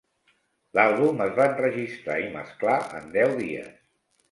L'àlbum es va enregistrar i mesclar en deu dies.